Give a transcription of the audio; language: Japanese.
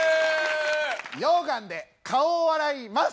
溶岩で顔を洗います！